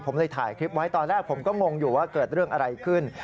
ผมเลยถ่ายคลิปไว้ตอนแรกผมก็งงอยู่ว่าเกิดเรื่องอะไรขึ้น